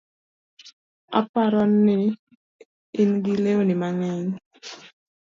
Aparo ni ingi lewni mang'eny